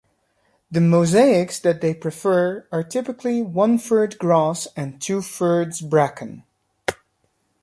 The mosaics that they prefer are typically one-third grass and two-thirds bracken.